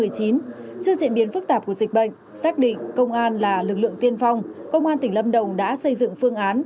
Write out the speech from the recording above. trước diễn biến phức tạp của dịch bệnh xác định công an là lực lượng tiên phong công an tỉnh lâm đồng đã xây dựng phương án